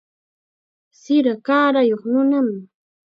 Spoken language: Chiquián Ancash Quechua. Sira kaarayuq nunam.